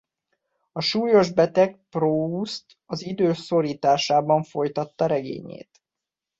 A súlyos beteg Proust az idő szorításában folytatta regényét.